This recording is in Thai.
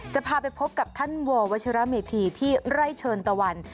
จะพาไปพบกับท่านววัชรเมธีที่ไร่เชิญตะวัน